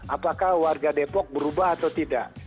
apakah warga depok berubah atau tidak